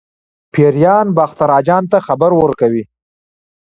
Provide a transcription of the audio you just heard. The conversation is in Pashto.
پیریان باختر اجان ته خبر ورکوي.